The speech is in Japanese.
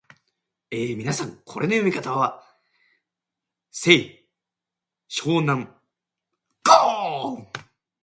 清少納言